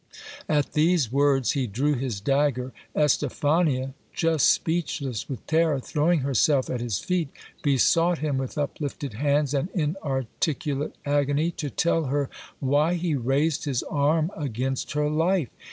At these words he drew his dagger. Estephania, just speechless with terror, throwing herself at his feet, besought him with uplifted hands and inarticulate agony, to tell her why he raised his arm against her life.